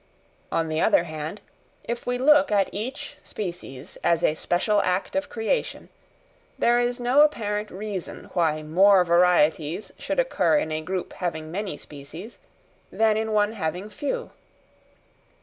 On the other hand, if we look at each species as a special act of creation, there is no apparent reason why more varieties should occur in a group having many species, than in one having few.